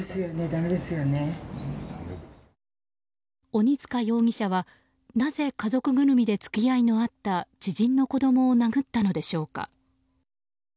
鬼塚容疑者は、なぜ家族ぐるみで付き合いのあった知人の子供を殴ったのでしょうか。